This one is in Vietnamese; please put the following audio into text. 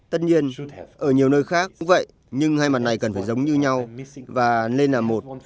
tất nhiên ở nhiều nơi khác cũng vậy nhưng hai mặt này cần phải giống như nhau và nên là một